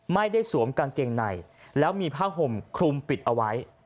สวมกางเกงในแล้วมีผ้าห่มคลุมปิดเอาไว้